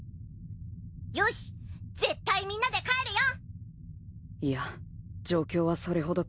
よし絶対みんなで帰るよ！